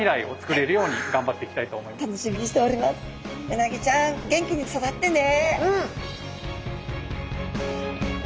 うなぎちゃん元気に育ってね！